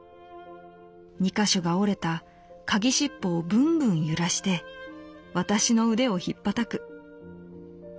二か所が折れたカギしっぽをぶんぶん揺らして私の腕をひっぱたく。